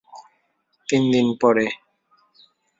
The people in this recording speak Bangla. তিন দিন পরে।